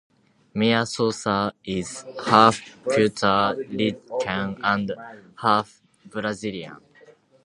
Mia Sosa is half Puerta Rican and half Brazilian.